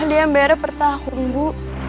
dia bayarnya per tahun bu